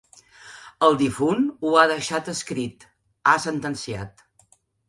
El difunt ho ha deixat escrit —ha sentenciat.